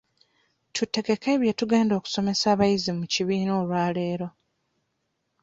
Tutegeke bye tugenda okusomesa abayizi mu kibiina olwaleero.